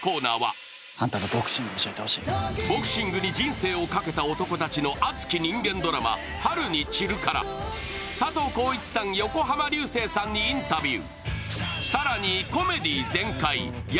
ボクシングに人生をかけた男たちの熱き人間ドラマ「春に散る」から佐藤浩市さん、横浜流星さんにインタビュー。